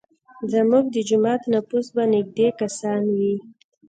زموږ د جومات نفوس به نیږدی کسان وي.